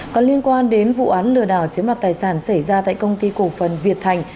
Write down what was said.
còn liên quan đến vụ án lừa đảo chiếm đoạt tài sản xảy ra tại công ty cổ phần việt thành